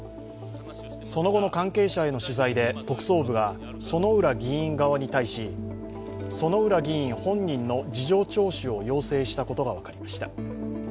その後の関係者への取材で特捜部が薗浦議員側に対し薗浦議員本人の事情聴取を要請したことが分かりました。